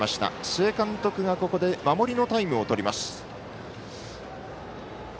須江監督が守りのタイムをとります。